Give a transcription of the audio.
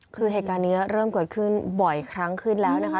คือเหตุการณ์นี้เริ่มเกิดขึ้นบ่อยครั้งขึ้นแล้วนะคะ